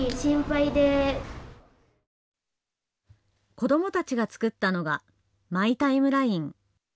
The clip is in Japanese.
子どもたちが作ったのがマイタイムライン。